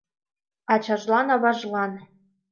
Ачажлан-аважлан